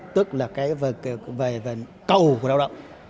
tức là cái cầu của lao động